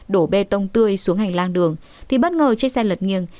đổ bê tông tươi xuống hành lang đường thì bất ngờ chiếc xe lật nghiêng